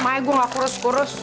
makanya gue gak kurus kurus